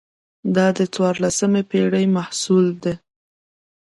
دا د څوارلسمې پېړۍ محصول ده.